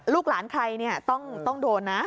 ลูกหลานใครต้องโดนนะ